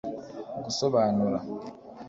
gusobanura